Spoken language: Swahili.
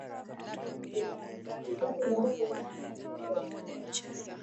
Wanyama walio salama hupata ugonjwa kwa kugusa kinyesi chenye virusi